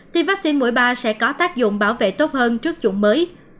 tiêm vaccine mỗi ba sẽ có tác dụng bảo vệ tốt hơn trước dụng mới